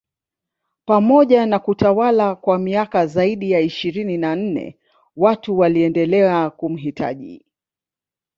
Pamoja na kutawala kwa miaka zaidi ya ishirini na nne watu waliendelea kumuhitaji